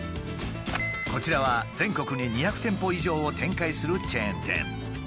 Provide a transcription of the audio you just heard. こちらは全国に２００店舗以上を展開するチェーン店。